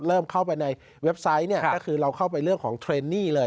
เริ่มเข้าไปในเว็บไซต์เนี่ยก็คือเราเข้าไปเรื่องของเทรนนี่เลย